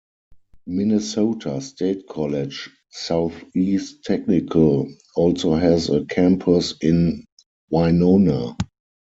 Minnesota State College-Southeast Technical also has a campus in Winona.